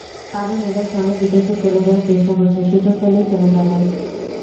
কারণ এরা সবাই বিদেশে চলে যাওয়ার চেষ্টা করছে, সুযোগ পেলেই চলে যাবে।